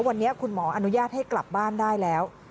วันนี้คุณหมออนุญาตให้กลับบ้านได้แล้ว